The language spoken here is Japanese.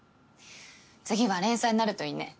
次は連載になるといいね。